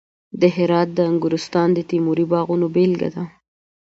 د هرات د انګورستان د تیموري باغونو بېلګه ده